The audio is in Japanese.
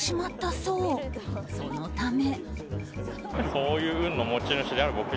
そのため。